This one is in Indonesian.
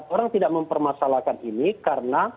orang tidak mempermasalahkan ini karena